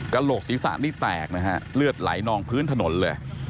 โหลกศีรษะนี่แตกนะฮะเลือดไหลนองพื้นถนนเลย